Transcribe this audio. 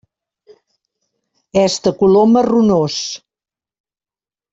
És de color marronós.